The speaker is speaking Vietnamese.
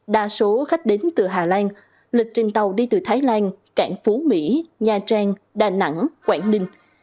đa số khách đến từ hà lan lịch trên tàu đi từ thái lan cạn phú mỹ nha trang đà nẵng quảng ninh